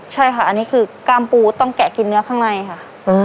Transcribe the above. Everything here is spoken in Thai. ใช่ค่ะอันนี้คือกล้ามปูต้องแกะกินเนื้อข้างในค่ะ